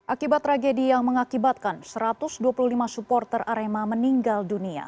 akibat tragedi yang mengakibatkan satu ratus dua puluh lima supporter arema meninggal dunia